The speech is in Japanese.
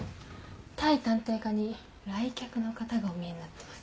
対探偵課に来客の方がおみえになってます。